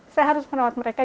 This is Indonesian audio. saya harus merawat mereka